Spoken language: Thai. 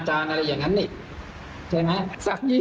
ไม่ใช่เราไปถูกตัวแบบอันาจารย์อะไรอย่างนั้นนี่ใช่ไหม